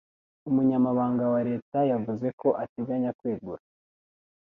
Umunyamabanga wa Leta yavuze ko ateganya kwegura.